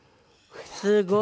すごい。